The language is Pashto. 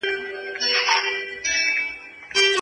ده وویل چي پښتو د محبت او یوالي ژبه ده.